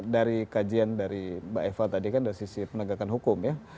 dari kajian dari mbak eva tadi kan dari sisi penegakan hukum ya